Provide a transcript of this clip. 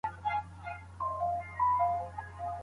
ولي زیارکښ کس د وړ کس په پرتله هدف ترلاسه کوي؟